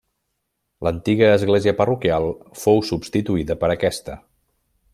L'antiga església parroquial fou substituïda per aquesta.